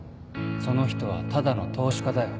その人はただの投資家だよ